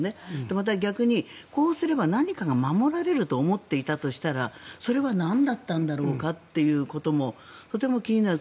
また、逆にこうすれば何かが守られると思っていたとしたらそれはなんだったんだろうかということもとても気になる。